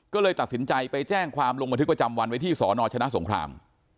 ก็เลยตัดสินใจไปแจ้งความลงบันทึกประจำวันไว้ที่สนชนะสงคราม